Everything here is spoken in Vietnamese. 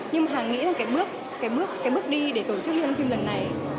nhưng mà hàng nghĩ rằng cái bước đi để tổ chức liên hoan phim lần này